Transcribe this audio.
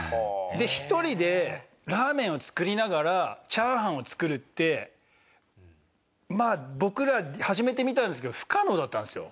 一人でラーメンを作りながらチャーハンを作るって僕ら始めてみたんですけど不可能だったんですよ。